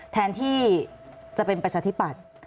แทนที่จะเป็นประชาธิปัตย์